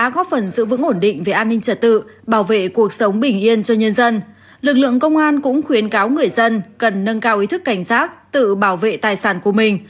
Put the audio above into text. các bạn cũng khuyến cáo người dân cần nâng cao ý thức cảnh giác tự bảo vệ tài sản của mình